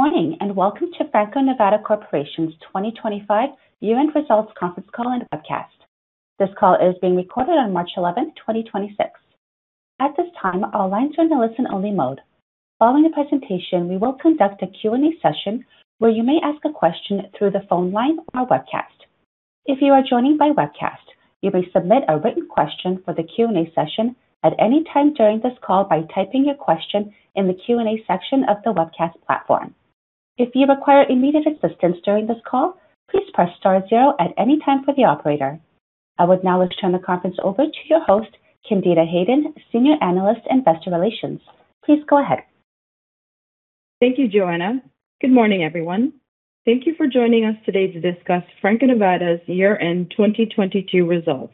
Morning, welcome to Franco-Nevada Corporation's 2025 year-end results conference call and webcast. This call is being recorded on March 11, 2026. At this time, all lines are in a listen-only mode. Following the presentation, we will conduct a Q&A session where you may ask a question through the phone line or webcast. If you are joining by webcast, you may submit a written question for the Q&A session at any time during this call by typing your question in the Q&A section of the webcast platform. If you require immediate assistance during this call, please press star zero at any time for the operator. I would now like to turn the conference over to your host, Candida Hayden, Senior Analyst, Investor Relations. Please go ahead. Thank you, Joanna. Good morning, everyone. Thank you for joining us today to discuss Franco-Nevada's year-end 2022 results.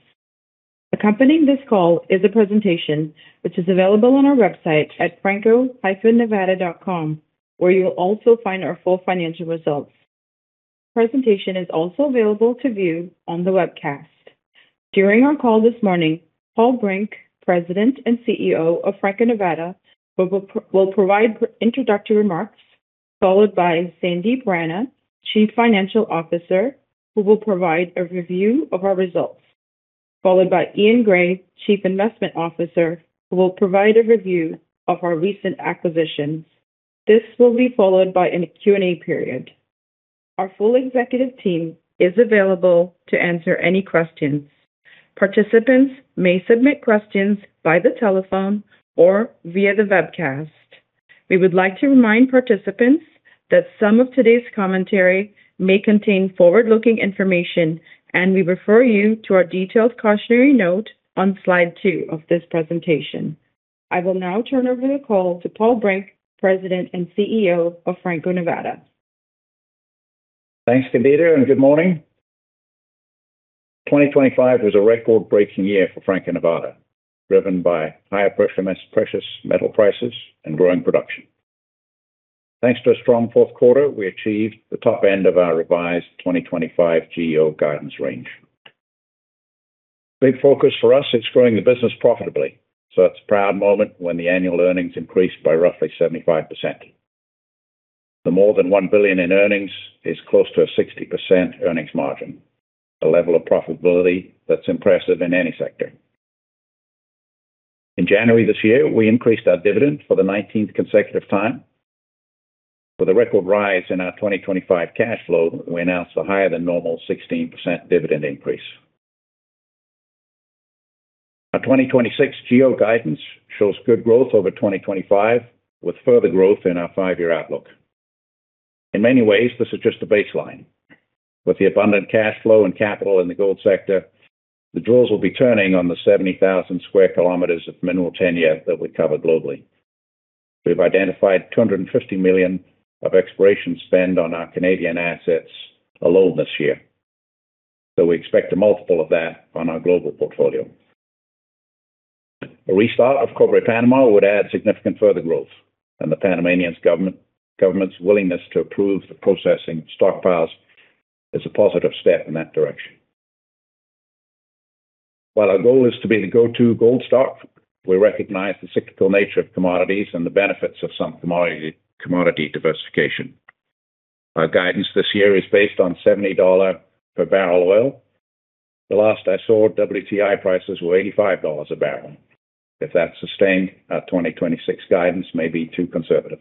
Accompanying this call is a presentation which is available on our website at franco-nevada.com, where you'll also find our full financial results. Presentation is also available to view on the webcast. During our call this morning, Paul Brink, President and CEO of Franco-Nevada, will provide introductory remarks, followed by Sandip Rana, Chief Financial Officer, who will provide a review of our results, followed by Eaun Gray, Chief Investment Officer, who will provide a review of our recent acquisitions. This will be followed by a Q&A period. Our full executive team is available to answer any questions. Participants may submit questions by the telephone or via the webcast. We would like to remind participants that some of today's commentary may contain forward-looking information, and we refer you to our detailed cautionary note on slide two of this presentation. I will now turn over the call to Paul Brink, President and CEO of Franco-Nevada. Thanks, Candida, and good morning. 2025 was a record-breaking year for Franco-Nevada, driven by higher precious metal prices and growing production. Thanks to a strong fourth quarter, we achieved the top end of our revised 2025 GEO guidance range. Big focus for us is growing the business profitably, so it's a proud moment when the annual earnings increased by roughly 75%. The more than $1 billion in earnings is close to a 60% earnings margin, a level of profitability that's impressive in any sector. In January this year, we increased our dividend for the 19th consecutive time. For the record rise in our 2025 cash flow, we announced a higher than normal 16% dividend increase. Our 2026 GEO guidance shows good growth over 2025, with further growth in our five-year outlook. In many ways, this is just the baseline. With the abundant cash flow and capital in the gold sector, the drills will be turning on the 70,000 square kilometers of mineral tenure that we cover globally. We've identified $250 million of exploration spend on our Canadian assets alone this year. We expect a multiple of that on our global portfolio. A restart of Cobre Panamá would add significant further growth, and the Panamanian government's willingness to approve the processing stockpiles is a positive step in that direction. While our goal is to be the go-to gold stock, we recognize the cyclical nature of commodities and the benefits of some commodity diversification. Our guidance this year is based on $70 per barrel oil. The last I saw, WTI prices were $85 a barrel. If that's sustained, our 2026 guidance may be too conservative.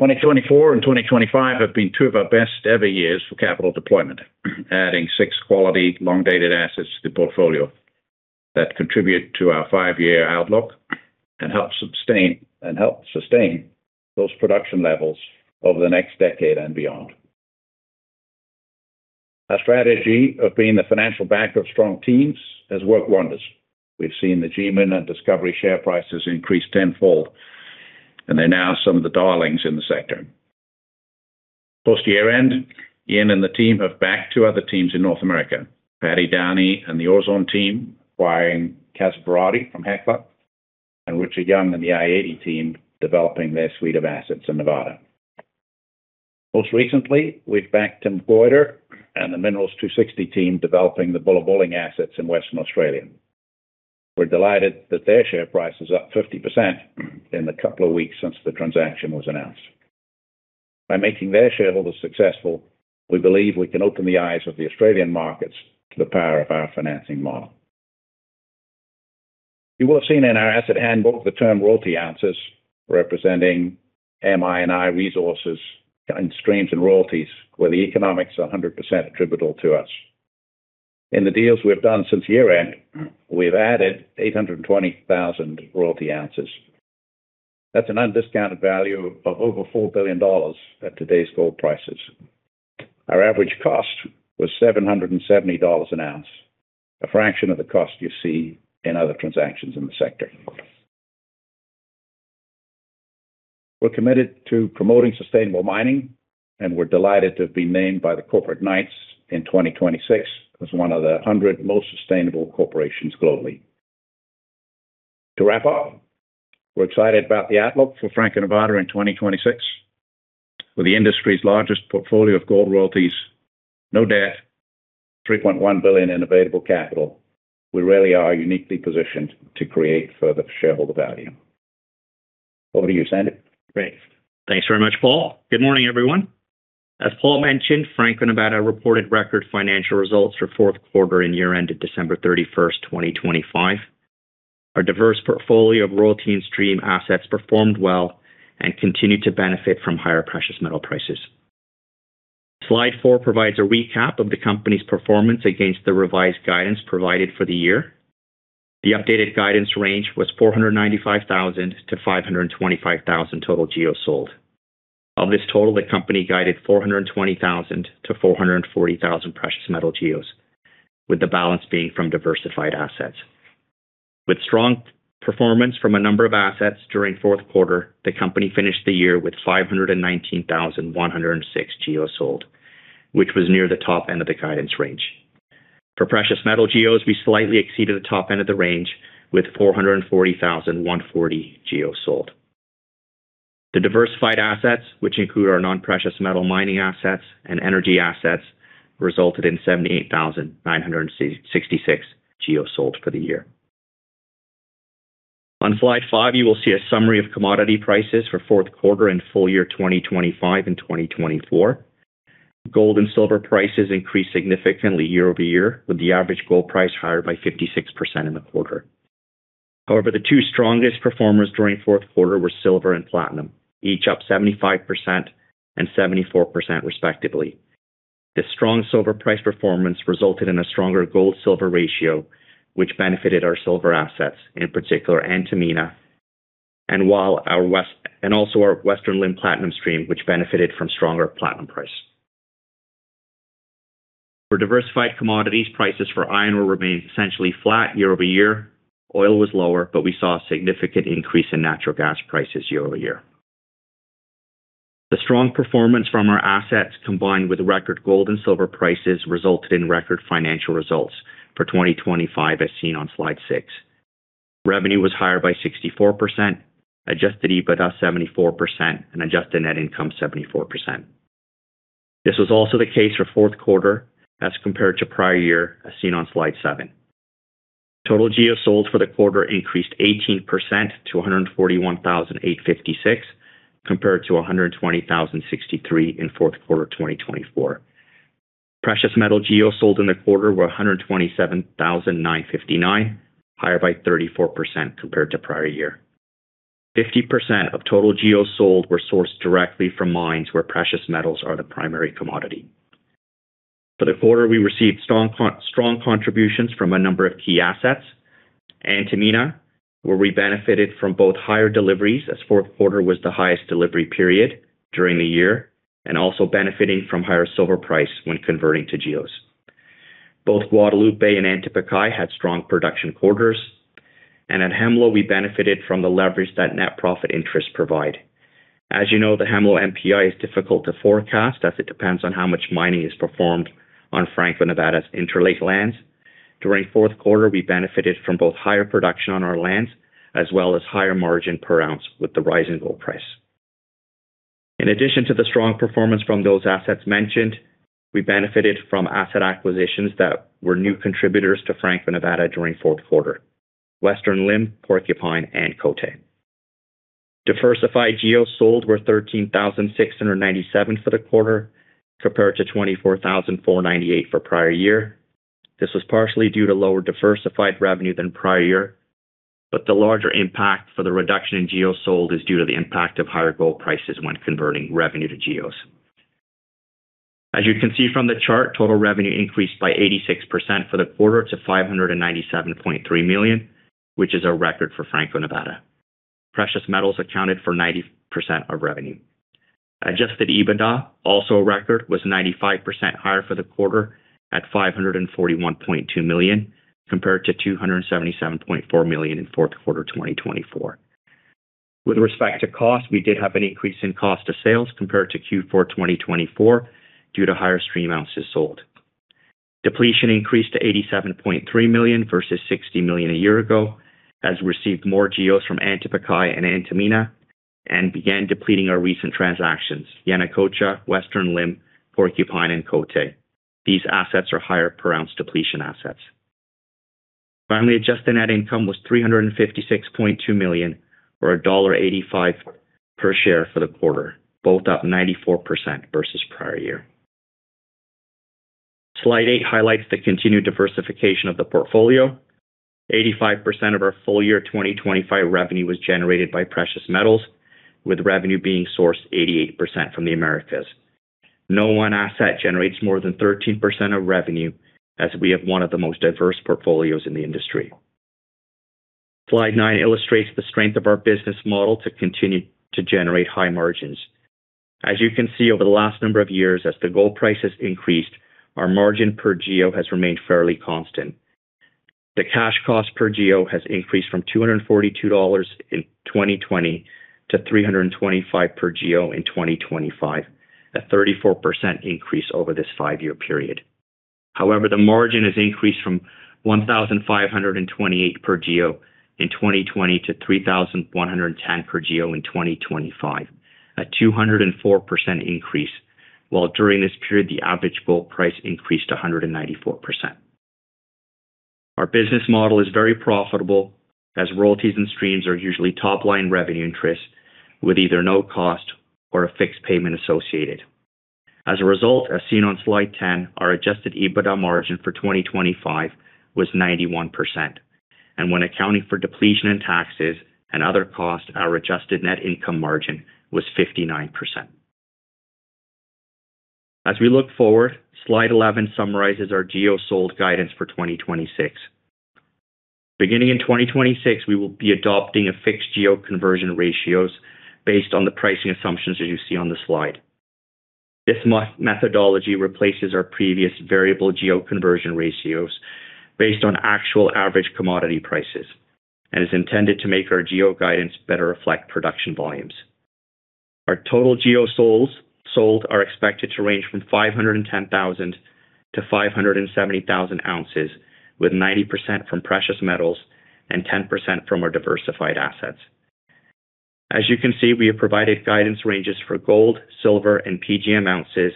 2024 and 2025 have been two of our best ever years for capital deployment, adding six quality long-dated assets to the portfolio that contribute to our five-year outlook and help sustain those production levels over the next decade and beyond. Our strategy of being the financial bank of strong teams has worked wonders. We've seen the G Mining and Discovery Silver share prices increase tenfold, and they're now some of the darlings in the sector. Post-year-end, Eaun and the team have backed two other teams in North America, Paddy Downey and the Orezone team acquiring Casa Berardi from Hecla, and Richard Young and the i-80 team developing their suite of assets in Nevada. Most recently, we've backed Tim Goyder and the Minerals 260 team developing the Bullabulling assets in Western Australia. We're delighted that their share price is up 50% in the couple of weeks since the transaction was announced. By making their shareholders successful, we believe we can open the eyes of the Australian markets to the power of our financing model. You will have seen in our asset handbook the term royalty ounces, representing mineral resources and streams and royalties, where the economics are 100% attributable to us. In the deals we've done since year-end, we've added 820,000 royalty ounces. That's an undiscounted value of over $4 billion at today's gold prices. Our average cost was $770 an ounce, a fraction of the cost you see in other transactions in the sector. We're committed to promoting sustainable mining, and we're delighted to have been named by the Corporate Knights in 2026 as one of the 100 most sustainable corporations globally. To wrap up, we're excited about the outlook for Franco-Nevada in 2026. With the industry's largest portfolio of gold royalties, no debt, $3.1 billion in available capital, we really are uniquely positioned to create further shareholder value. Over to you, Sandip. Great. Thanks very much, Paul. Good morning, everyone. As Paul mentioned, Franco-Nevada reported record financial results for fourth quarter and year-end to December 31, 2025. Our diverse portfolio of royalty and stream assets performed well and continued to benefit from higher precious metal prices. Slide four provides a recap of the company's performance against the revised guidance provided for the year. The updated guidance range was 495,000 to 525,000 total GEOs sold. Of this total, the company guided 420,000 to 440,000 precious metal GEOs, with the balance being from diversified assets. With strong performance from a number of assets during fourth quarter, the company finished the year with 519,106 GEOs sold, which was near the top end of the guidance range. For precious metal GEOs, we slightly exceeded the top end of the range with 440,140 GEOs sold. The diversified assets, which include our non-precious metal mining assets and energy assets, resulted in 78,966 GEOs sold for the year. On slide five, you will see a summary of commodity prices for fourth quarter and full year 2025 and 2024. Gold and silver prices increased significantly year-over-year, with the average gold price higher by 56% in the quarter. However, the two strongest performers during fourth quarter were silver and platinum, each up 75% and 74% respectively. The strong silver price performance resulted in a stronger gold-silver ratio, which benefited our silver assets, in particular Antamina, and also our Western Limb platinum stream, which benefited from stronger platinum price. For diversified commodities, prices for iron ore remained essentially flat year-over-year. Oil was lower, but we saw a significant increase in natural gas prices year-over-year. The strong performance from our assets, combined with record gold and silver prices, resulted in record financial results for 2025 as seen on slide six. Revenue was higher by 64%, adjusted EBITDA 74%, and adjusted net income 74%. This was also the case for fourth quarter as compared to prior year as seen on slide seven. Total GEOs sold for the quarter increased 18% to 141,856, compared to 120,063 in fourth quarter 2024. Precious metal GEOs sold in the quarter were 127,959, higher by 34% compared to prior year. 50% of total GEOs sold were sourced directly from mines where precious metals are the primary commodity. For the quarter, we received strong contributions from a number of key assets. Antamina, where we benefited from both higher deliveries as fourth quarter was the highest delivery period during the year, and also benefiting from higher silver price when converting to GEOs. Both Guadalupe and Antapaccay had strong production quarters. At Hemlo, we benefited from the leverage that net profit interest provide. As you know, the Hemlo NPI is difficult to forecast as it depends on how much mining is performed on Franco-Nevada's Interlake lands. During fourth quarter, we benefited from both higher production on our lands as well as higher margin per ounce with the rise in gold price. In addition to the strong performance from those assets mentioned, we benefited from asset acquisitions that were new contributors to Franco-Nevada during fourth quarter, Western Limb, Porcupine, and Côté. Diversified GEOs sold were 13,697 for the quarter, compared to 24,498 for prior year. This was partially due to lower diversified revenue than prior year, but the larger impact for the reduction in GEOs sold is due to the impact of higher gold prices when converting revenue to GEOs. As you can see from the chart, total revenue increased by 86% for the quarter to $597.3 million, which is a record for Franco-Nevada. Precious metals accounted for 90% of revenue. Adjusted EBITDA, also a record, was 95% higher for the quarter at $541.2 million, compared to $277.4 million in Q4 2024. With respect to cost, we did have an increase in cost of sales compared to Q4 2024 due to higher stream ounces sold. Depletion increased to $87.3 million versus $60 million a year ago, as we received more GEOs from Antapaccay and Antamina, and began depleting our recent transactions, Yanacocha, Western Limb, Porcupine, and Côté. These assets are higher per ounce depletion assets. Finally, adjusted net income was $356.2 million, or $1.85 per share for the quarter, both up 94% versus prior year. Slide eight highlights the continued diversification of the portfolio. 85% of our full year 2025 revenue was generated by precious metals, with revenue being sourced 88% from the Americas. No one asset generates more than 13% of revenue, as we have one of the most diverse portfolios in the industry. Slide nine illustrates the strength of our business model to continue to generate high margins. As you can see over the last number of years, as the gold price has increased, our margin per GEO has remained fairly constant. The cash cost per GEO has increased from $242 in 2020 to $325 per GEO in 2025. A 34% increase over this five-year period. However, the margin has increased from 1,528 per GEO in 2020 to 3,110 per GEO in 2025, a 204% increase, while during this period the average gold price increased 194%. Our business model is very profitable as royalties and streams are usually top-line revenue interest with either no cost or a fixed payment associated. As a result, as seen on slide 10, our adjusted EBITDA margin for 2025 was 91%. When accounting for depletion and taxes and other costs, our adjusted net income margin was 59%. As we look forward, slide 11 summarizes our GEO sold guidance for 2026. Beginning in 2026, we will be adopting a fixed GEO conversion ratios based on the pricing assumptions that you see on the slide. This methodology replaces our previous variable GEO conversion ratios based on actual average commodity prices and is intended to make our GEO guidance better reflect production volumes. Our total GEO sold are expected to range from 510,000 to 570,000 ounces, with 90% from precious metals and 10% from our diversified assets. As you can see, we have provided guidance ranges for gold, silver, and PGM ounces,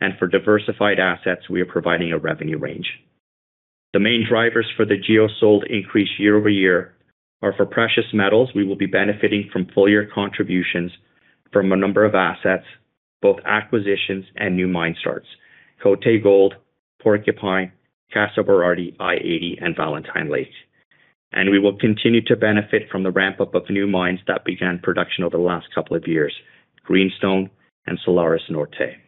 and for diversified assets, we are providing a revenue range. The main drivers for the GEO sold increase year-over-year are for precious metals. We will be benefiting from full year contributions from a number of assets, both acquisitions and new mine starts, Côté Gold, Porcupine, Casa Berardi, i-80, and Valentine Gold. We will continue to benefit from the ramp-up of new mines that began production over the last couple of years, Greenstone and Salares Norte.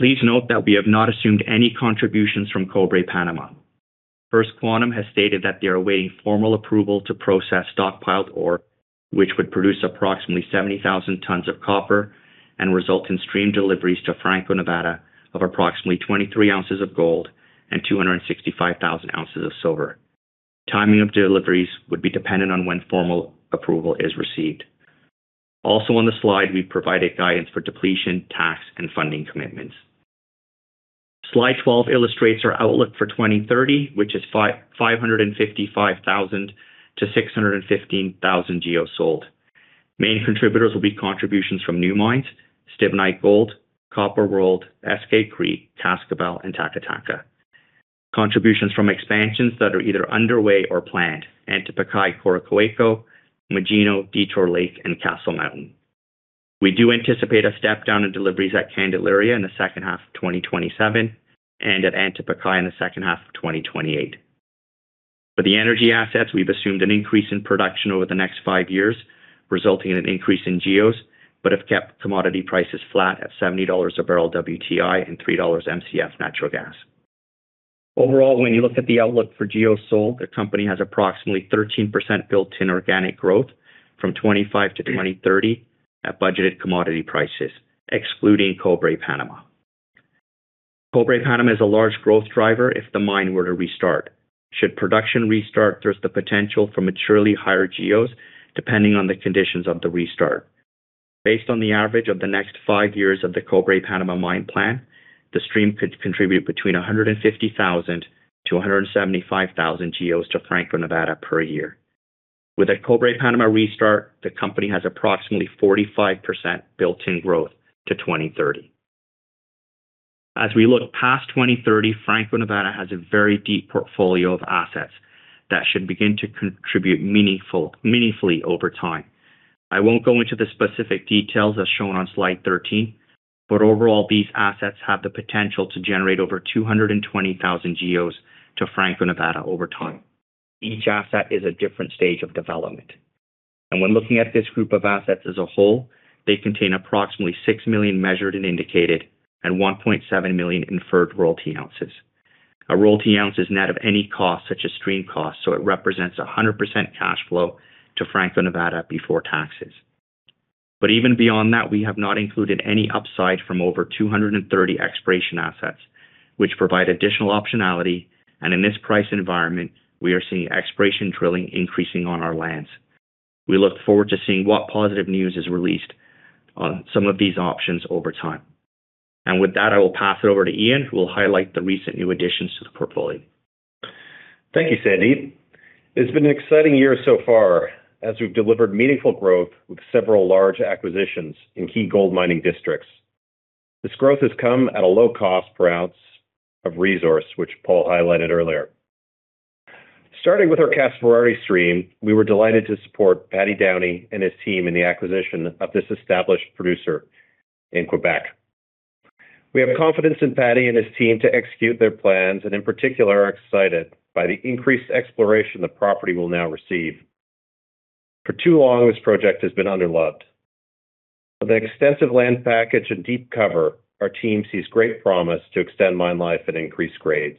Please note that we have not assumed any contributions from Cobre Panamá. First Quantum has stated that they are awaiting formal approval to process stockpiled ore, which would produce approximately 70,000 tons of copper and result in stream deliveries to Franco-Nevada of approximately 23 ounces of gold and 265,000 ounces of silver. Timing of deliveries would be dependent on when formal approval is received. Also on the slide, we've provided guidance for depletion, tax, and funding commitments. Slide 12 illustrates our outlook for 2030, which is 555,000 to 615,000 GEOs sold. Main contributors will be contributions from new mines, Stibnite Gold, Copper World, Eskay Creek, Cascabel, and Tocantinzinho. Contributions from expansions that are either underway or planned, Antapaccay, Coroccohuayco, Magino, Detour Lake, and Castle Mountain. We do anticipate a step down in deliveries at Candelaria in the second half of 2027 and at Antapaccay in the second half of 2028. For the energy assets, we've assumed an increase in production over the next five years, resulting in an increase in GEOs, but have kept commodity prices flat at $70 a barrel WTI and $3 mcf natural gas. Overall, when you look at the outlook for GEOs sold, the company has approximately 13% built-in organic growth from 2025 to 2030 at budgeted commodity prices, excluding Cobre Panamá. Cobre Panamá is a large growth driver if the mine were to restart. Should production restart, there's the potential for materially higher GEOs depending on the conditions of the restart. Based on the average of the next five years of the Cobre Panamá mine plan, the stream could contribute between 150,000-175,000 GEOs to Franco-Nevada per year. With a Cobre Panamá restart, the company has approximately 45% built-in growth to 2030. As we look past 2030, Franco-Nevada has a very deep portfolio of assets that should begin to contribute meaningfully over time. I won't go into the specific details as shown on slide 13, but overall, these assets have the potential to generate over 220,000 GEOs to Franco-Nevada over time. Each asset is a different stage of development. When looking at this group of assets as a whole, they contain approximately 6 million measured and indicated and 1.7 million inferred royalty ounces. A royalty ounce is net of any cost such as stream cost, so it represents 100% cash flow to Franco-Nevada before taxes. Even beyond that, we have not included any upside from over 230 exploration assets, which provide additional optionality. In this price environment, we are seeing exploration drilling increasing on our lands. We look forward to seeing what positive news is released on some of these options over time. With that, I will pass it over to Eaun, who will highlight the recent new additions to the portfolio. Thank you, Sandip. It's been an exciting year so far as we've delivered meaningful growth with several large acquisitions in key gold mining districts. This growth has come at a low cost per ounce of resource, which Paul highlighted earlier. Starting with our Casa Berardi stream, we were delighted to support Patrick Downey and his team in the acquisition of this established producer in Quebec. We have confidence in Patrick Downey and his team to execute their plans, and in particular, are excited by the increased exploration the property will now receive. For too long, this project has been underloved. With an extensive land package and deep cover, our team sees great promise to extend mine life and increase grades.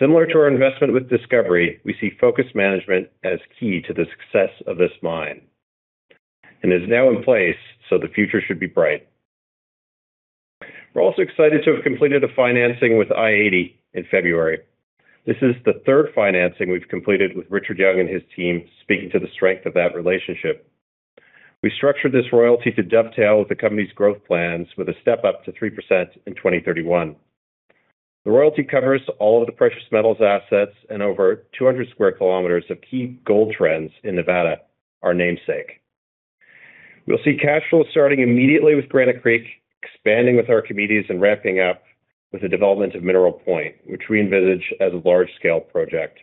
Similar to our investment with Discovery, we see focused management as key to the success of this mine, and is now in place, so the future should be bright. We're also excited to have completed a financing with i-80 in February. This is the third financing we've completed with Richard Young and his team speaking to the strength of that relationship. We structured this royalty to dovetail with the company's growth plans with a step up to 3% in 2031. The royalty covers all of the precious metals assets and over 200 square kilometers of key gold trends in Nevada, our namesake. We'll see cash flow starting immediately with Granite Creek, expanding with Archimedes and ramping up with the development of Mineral Point, which we envisage as a large-scale project.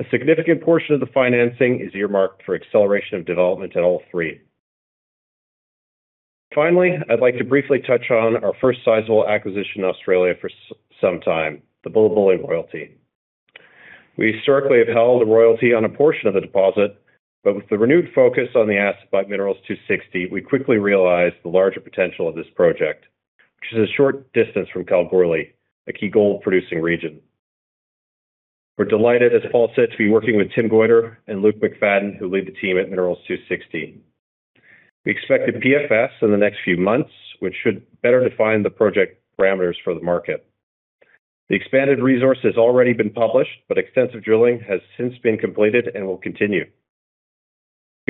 A significant portion of the financing is earmarked for acceleration of development at all three. Finally, I'd like to briefly touch on our first sizable acquisition in Australia for some time, the Bullabulling royalty. We historically have held a royalty on a portion of the deposit, but with the renewed focus on the asset by Minerals 260, we quickly realized the larger potential of this project, which is a short distance from Kalgoorlie, a key gold producing region. We're delighted, as Paul said, to be working with Tim Goyder and Luke McFadyen, who lead the team at Minerals 260. We expect a PFS in the next few months, which should better define the project parameters for the market. The expanded resource has already been published, but extensive drilling has since been completed and will continue.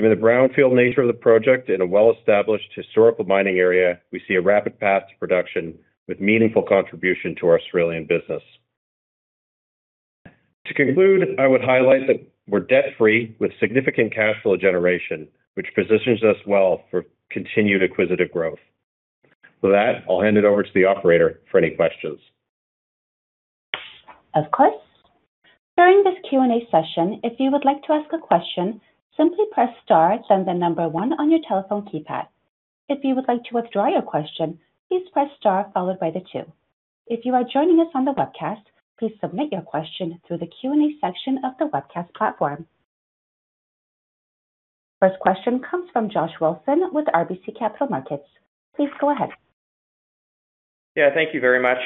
Given the brownfield nature of the project in a well-established historical mining area, we see a rapid path to production with meaningful contribution to our Australian business. To conclude, I would highlight that we're debt-free with significant cash flow generation, which positions us well for continued acquisitive growth. With that, I'll hand it over to the operator for any questions. Of course. During this Q&A session, if you would like to ask a question, simply press star, then one on your telephone keypad. If you would like to withdraw your question, please press star followed by two. If you are joining us on the webcast, please submit your question through the Q&A section of the webcast platform. First question comes from Josh Wolfson with RBC Capital Markets. Please go ahead. Yeah, thank you very much.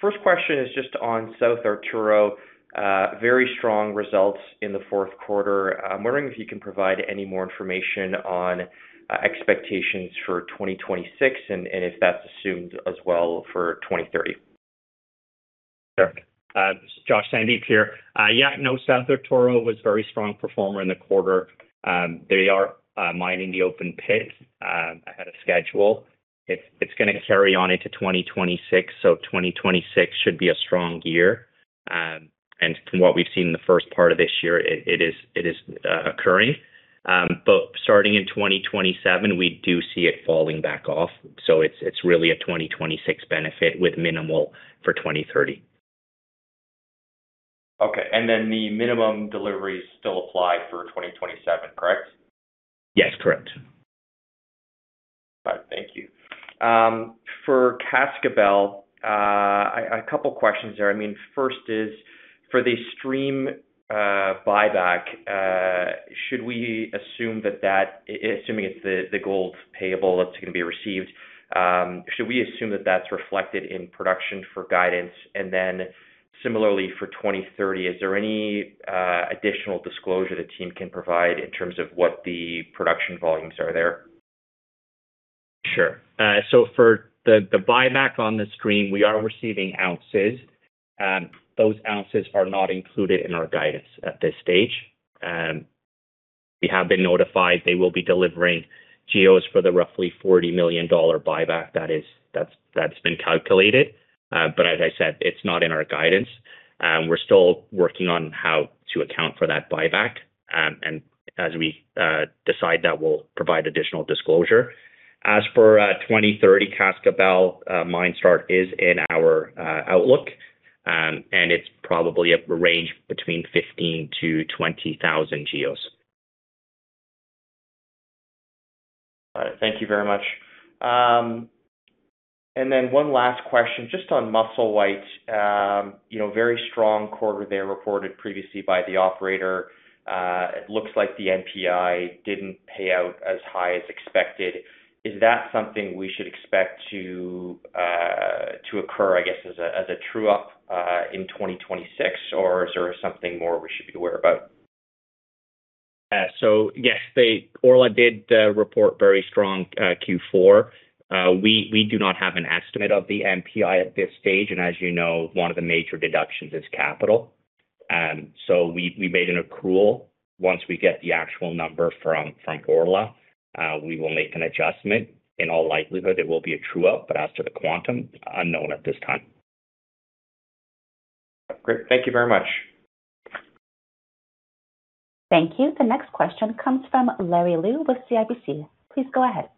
First question is just on South Arturo, very strong results in the fourth quarter. I'm wondering if you can provide any more information on expectations for 2026 and if that's assumed as well for 2030. Sure. Josh, Sandip here. Yeah, no, South Arturo was a very strong performer in the quarter. They are mining the open pit ahead of schedule. It's gonna carry on into 2026, so 2026 should be a strong year. And from what we've seen in the first part of this year, it is occurring. But starting in 2027, we do see it falling back off. It's really a 2026 benefit with minimal for 2030. Okay. The minimum deliveries still apply for 2027, correct? Yes, correct. All right. Thank you. For Cascabel, a couple questions there. I mean, first is for the stream buyback, should we assume that assuming it's the gold payable that's going to be received, should we assume that that's reflected in production for guidance? Similarly for 2030, is there any additional disclosure the team can provide in terms of what the production volumes are there? Sure. For the buyback on the stream, we are receiving ounces. Those ounces are not included in our guidance at this stage. We have been notified they will be delivering GEOs for the roughly $40 million buyback that has been calculated. As I said, it's not in our guidance. We're still working on how to account for that buyback. As we decide that, we'll provide additional disclosure. As for 2030, Cascabel mine start is in our outlook, and it's probably a range between 15,000-20,000 GEOs. All right. Thank you very much. One last question, just on Musselwhite, very strong quarter there reported previously by the operator. It looks like the NPI didn't pay out as high as expected. Is that something we should expect to occur, I guess, as a true up in 2026, or is there something more we should be aware about? Yes, Orla did report very strong Q4. We do not have an estimate of the NPI at this stage. As you know, one of the major deductions is capital. We made an accrual. Once we get the actual number from Orla, we will make an adjustment. In all likelihood, it will be a true up, but as to the quantum, unknown at this time. Great. Thank you very much. Thank you. The next question comes from Larry Liu with CIBC. Please go ahead.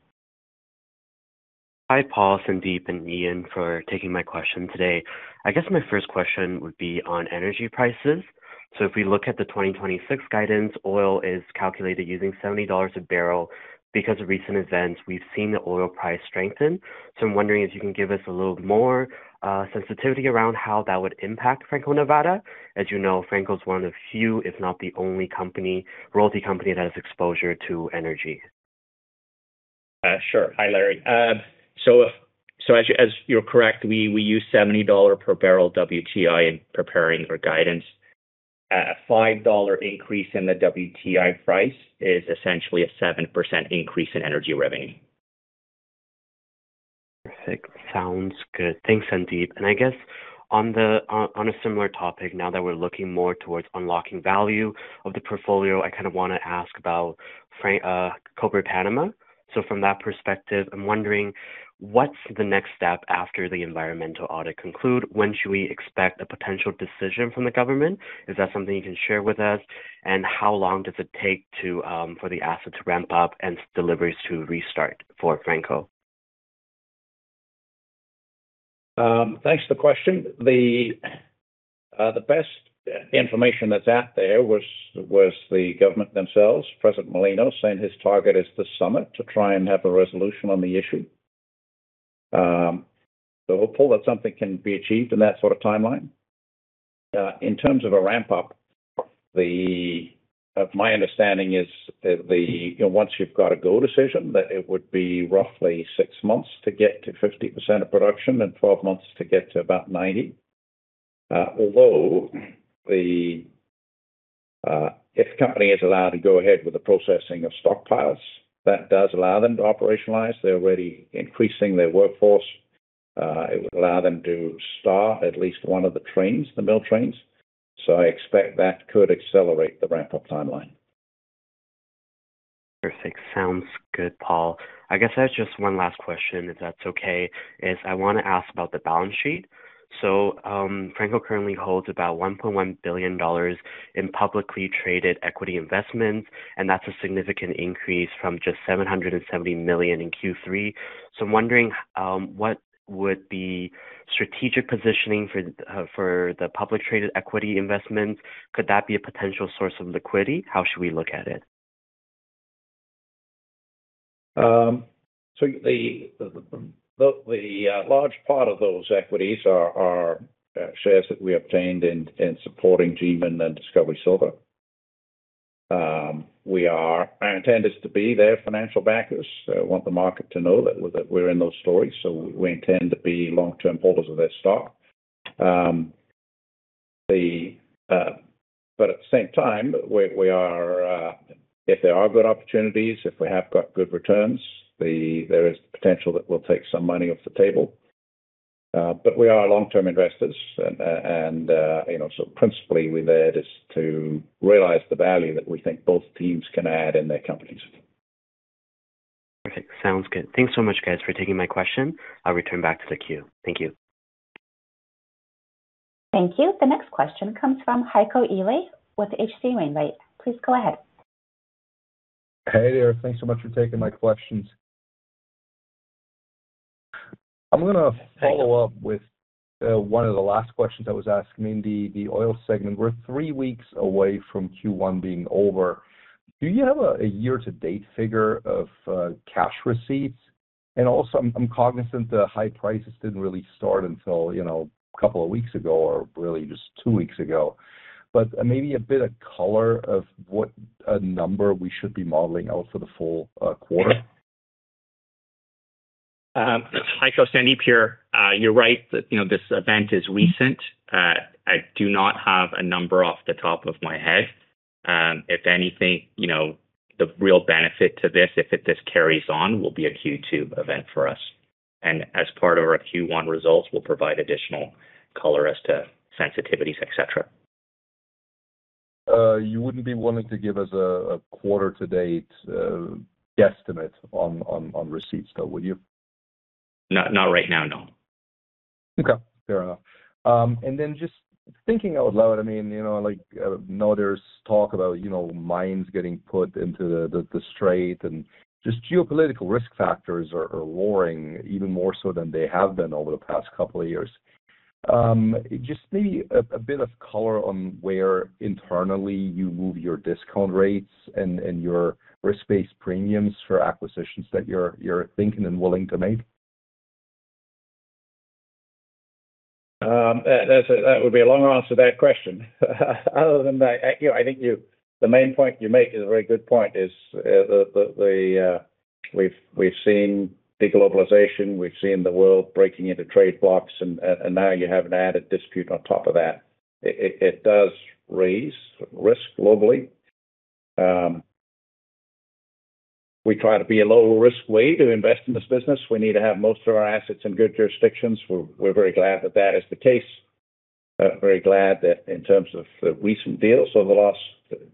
Hi, Paul, Sandip, and Eaun for taking my question today. I guess my first question would be on energy prices. If we look at the 2026 guidance, oil is calculated using $70 a barrel. Because of recent events, we've seen the oil price strengthen. I'm wondering if you can give us a little more sensitivity around how that would impact Franco-Nevada. As you know, Franco is one of few, if not the only company, royalty company that has exposure to energy. Sure. Hi, Larry. As you're correct, we use $70 per barrel WTI in preparing our guidance. A $5 increase in the WTI price is essentially a 7% increase in energy revenue. Perfect. Sounds good. Thanks, Sandip. I guess on a similar topic, now that we're looking more towards unlocking value of the portfolio, I wanna ask about Cobre Panamá. From that perspective, I'm wondering, what's the next step after the environmental audit conclude? When should we expect a potential decision from the government? Is that something you can share with us? How long does it take for the asset to ramp up and deliveries to restart for Franco? Thanks for the question. The best information that's out there was the government themselves, President Mulino, saying his target is this summit to try and have a resolution on the issue. Hopeful that something can be achieved in that timeline. In terms of a ramp-up, my understanding is once you've got a go decision, that it would be roughly six months to get to 50% of production and 12 months to get to about 90%. Although if the company is allowed to go ahead with the processing of stockpiles, that does allow them to operationalize. They're already increasing their workforce. It would allow them to start at least one of the trains, the mill trains. I expect that could accelerate the ramp-up timeline. Perfect. Sounds good, Paul. I guess I have just one last question, if that's okay, is I wanna ask about the balance sheet. Franco currently holds about $1.1 billion in publicly traded equity investments, and that's a significant increase from just $770 million in Q3. I'm wondering, what would be strategic positioning for the public traded equity investments? Could that be a potential source of liquidity? How should we look at it? The large part of those equities are shares that we obtained in supporting G Mining Ventures and Discovery Silver. Our intent is to be their financial backers. We want the market to know that we're in those stories, so we intend to be long-term holders of their stock. At the same time, if there are good opportunities, if we have got good returns, there is the potential that we'll take some money off the table. We are long-term investors. So principally we're there just to realize the value that we think both teams can add in their companies. Perfect. Sounds good. Thanks so much, guys, for taking my question. I'll return back to the queue. Thank you. Thank you. The next question comes from Heiko Ihle with H.C. Wainwright. Please go ahead. Hey there. Thanks so much for taking my questions. I'm gonna follow up with one of the last questions I was asking in the oil segment. We're three weeks away from Q1 being over. Do you have a year-to-date figure of cash receipts? And also, I'm cognizant the high prices didn't really start until, a couple of weeks ago or really just two weeks ago. But maybe a bit of color of what number we should be modeling out for the full quarter. Heiko, Sandip here. You're right that this event is recent. I do not have a number off the top of my head. If anything, the real benefit to this, if it just carries on, will be a Q2 event for us. As part of our Q1 results, we'll provide additional color as to sensitivities, et cetera. You wouldn't be willing to give us a quarter-to-date estimate on receipts though, would you? Not right now, no. Okay. Fair enough. Just thinking out loud, I mean, like, there's talk about, mines getting put into the strait and just geopolitical risk factors are roaring even more so than they have been over the past couple of years. Just maybe a bit of color on where internally you move your discount rates and your risk-based premiums for acquisitions that you're thinking and willing to make. That's a, that would be a long answer to that question. Other than that I think the main point you make is a very good point. We've seen de-globalization. We've seen the world breaking into trade blocks and now you have an added dispute on top of that. It does raise risk globally. We try to be a low-risk way to invest in this business. We need to have most of our assets in good jurisdictions. We're very glad that that is the case. Very glad that in terms of the recent deals over the last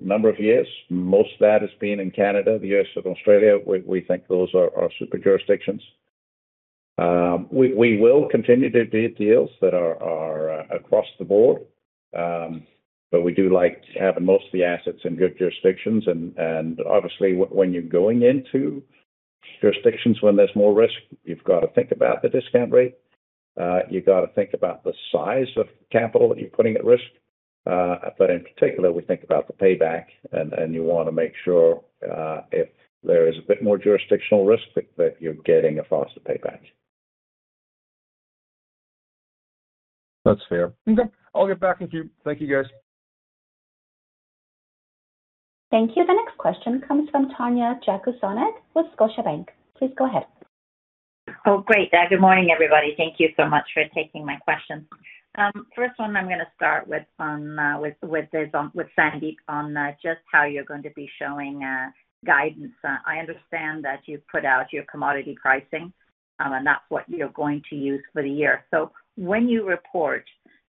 number of years, most of that has been in Canada, the U.S., and Australia. We think those are super jurisdictions. We will continue to do deals that are across the board. We do like to have most of the assets in good jurisdictions. Obviously, when you're going into jurisdictions when there's more risk, you've gotta think about the discount rate. You gotta think about the size of capital that you're putting at risk. In particular, we think about the payback and you wanna make sure, if there is a bit more jurisdictional risk that you're getting a faster payback. That's fair. Okay. I'll get back with you. Thank you, guys. Thank you. The next question comes from Tanya Jakusconek with Scotiabank. Please go ahead. Great. Good morning, everybody. Thank you so much for taking my questions. First one I'm gonna start with Sandip on just how you're going to be showing guidance. I understand that you've put out your commodity pricing and that's what you're going to use for the year. When you report,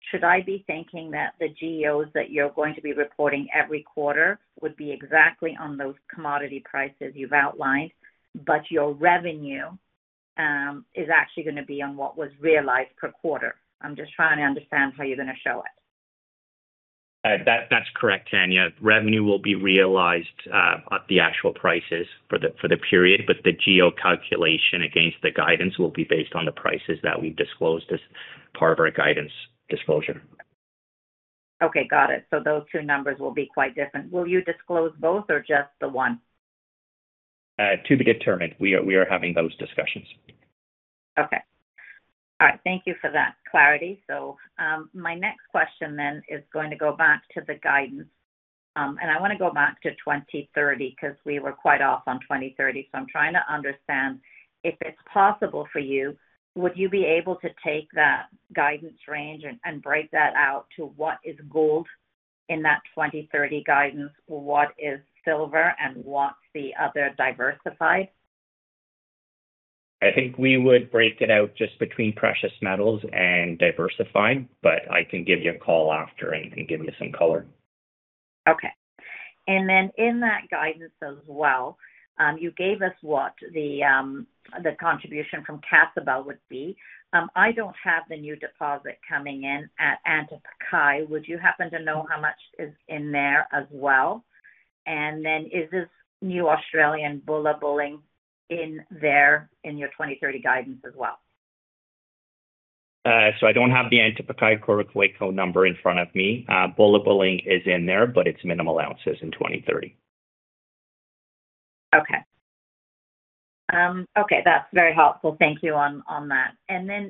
should I be thinking that the GEOs that you're going to be reporting every quarter would be exactly on those commodity prices you've outlined, but your revenue is actually gonna be on what was realized per quarter? I'm just trying to understand how you're gonna show it. That's correct, Tanya. Revenue will be realized at the actual prices for the period, but the GEO calculation against the guidance will be based on the prices that we've disclosed as part of our guidance disclosure. Okay, got it. Those two numbers will be quite different. Will you disclose both or just the one? To be determined. We are having those discussions. Okay. All right, thank you for that clarity. My next question then is going to go back to the guidance. I wanna go back to 2030 'cause we were quite off on 2030. I'm trying to understand if it's possible for you, would you be able to take that guidance range and break that out to what is gold in that 2030 guidance? What is silver and what's the other diversified? I think we would break it out just between precious metals and diversifying, but I can give you a call after and give you some color. Okay. In that guidance as well, you gave us what the contribution from Cascabel would be. I don't have the new deposit coming in at Antapaccay. Would you happen to know how much is in there as well? Is this new Australian Bullabulling in there in your 2030 guidance as well? I don't have the Antapaccay Coroccohuayco number in front of me. Bullabulling is in there, but it's minimal ounces in 2030. Okay, that's very helpful. Thank you on that.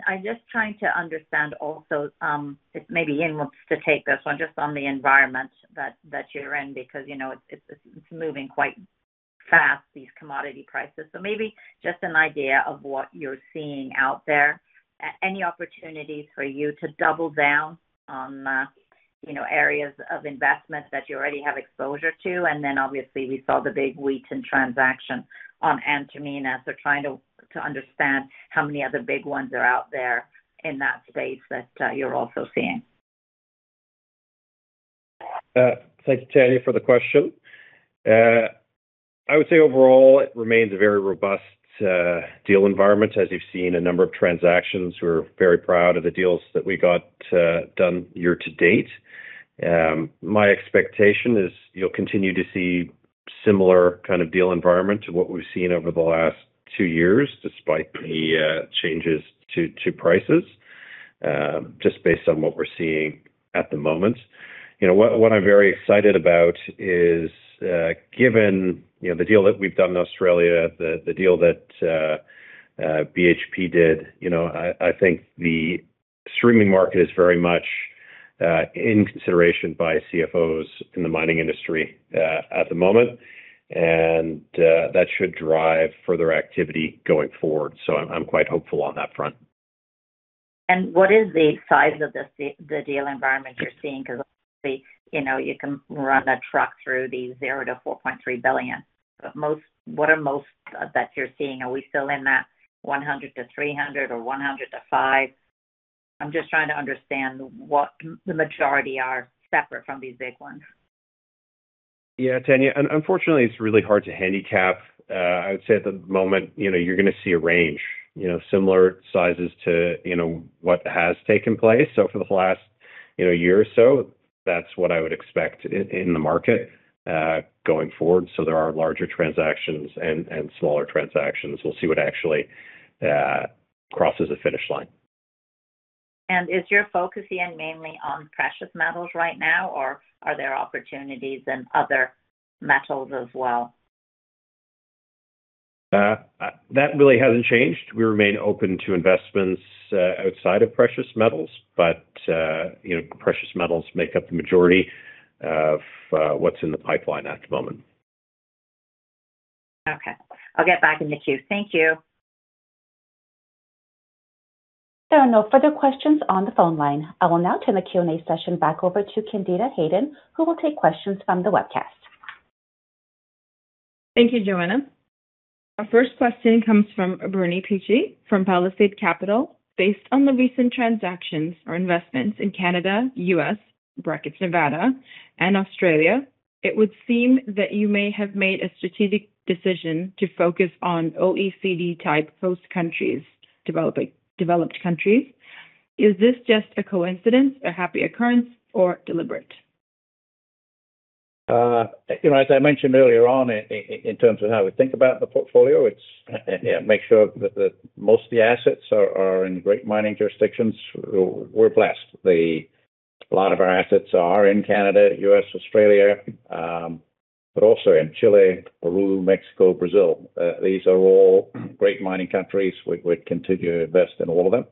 I'm just trying to understand also, if maybe Eaun wants to take this one, just on the environment that you're in, because it's moving quite fast, these commodity prices. Maybe just an idea of what you're seeing out there. Any opportunities for you to double down on areas of investment that you already have exposure to. Obviously we saw the big Wheaton transaction on Antamina, so trying to understand how many other big ones are out there in that space that you're also seeing. Thank you, Tanya, for the question. I would say overall it remains a very robust deal environment. As you've seen a number of transactions, we're very proud of the deals that we got done year to date. My expectation is you'll continue to see similar deal environment to what we've seen over the last two years, despite the changes to prices, just based on what we're seeing at the moment. What I'm very excited about is given the deal that we've done in Australia, the deal that BHP did, you know I think the streaming market is very much in consideration by CFOs in the mining industry at the moment. That should drive further activity going forward. So I'm quite hopeful on that front. What is the size of the deal environment you're seeing? 'Cause, you can run a truck through the $0-$4.3 billion. What are most that you're seeing? Are we still in that $100-$300 or $100-$500? I'm just trying to understand what the majority are separate from these big ones. Yeah, Tanya. Unfortunately, it's really hard to handicap. I would say at the moment, you're gonna see a range, similar sizes to what has taken place. For the last year or so, that's what I would expect in the market going forward. There are larger transactions and smaller transactions. We'll see what actually crosses the finish line. Is your focus, Eaun, mainly on precious metals right now, or are there opportunities in other metals as well? That really hasn't changed. We remain open to investments outside of precious metals, but you know, precious metals make up the majority of what's in the pipeline at the moment. Okay. I'll get back in the queue. Thank you. There are no further questions on the phone line. I will now turn the Q&A session back over to Candida Hayden, who will take questions from the webcast. Thank you, Joanna. Our first question comes from Bernie Picchi from Palisade Capital. Based on the recent transactions or investments in Canada, U.S. (Nevada) and Australia, it would seem that you may have made a strategic decision to focus on OECD-type host countries, developed countries. Is this just a coincidence, a happy occurrence or deliberate? As I mentioned earlier on in terms of how we think about the portfolio, it's, yeah, make sure that most of the assets are in great mining jurisdictions. We're blessed. A lot of our assets are in Canada, U.S., Australia, but also in Chile, Peru, Mexico, Brazil. These are all great mining countries. We'd continue to invest in all of them.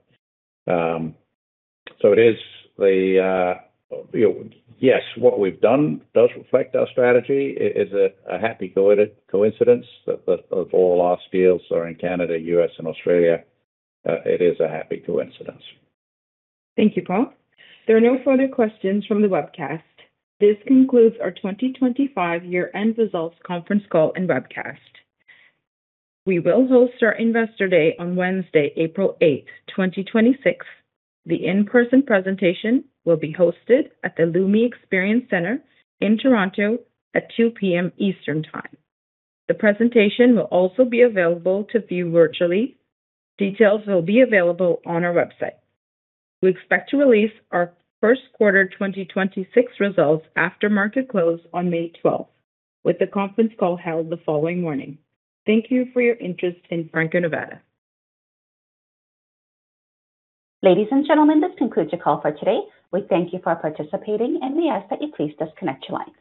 It is, you know. Yes, what we've done does reflect our strategy. It is a happy coincidence that all of our assets are in Canada, U.S. and Australia. It is a happy coincidence. Thank you, Paul. There are no further questions from the webcast. This concludes our 2025 year-end results conference call and webcast. We will host our Investor Day on Wednesday, April 8, 2026. The in-person presentation will be hosted at the Lumi Experience Center in Toronto at 2:00 P.M. Eastern Time. The presentation will also be available to view virtually. Details will be available on our website. We expect to release our first quarter 2026 results after market close on May 12, with the conference call held the following morning. Thank you for your interest in Franco-Nevada. Ladies and gentlemen, this concludes your call for today. We thank you for participating and we ask that you please disconnect your line.